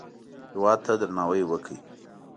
هېواد ته درناوی وکړئ